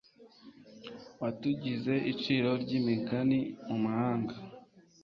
watugize iciro ry'imigani mu mahanga